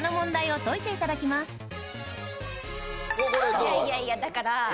いやいやいやだから。